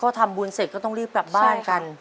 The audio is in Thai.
พอทำบุญเสร็จก็ต้องรีบกลับบ้านกัน